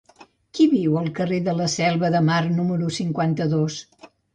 Qui viu al carrer de la Selva de Mar número cinquanta-dos?